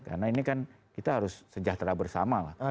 karena ini kan kita harus sejahtera bersama lah